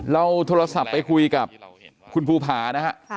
เราโทรศัพท์ไปคุยกับคุณภูผานะฮะ